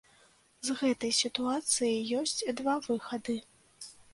З гэтай сітуацыі ёсць два выхады.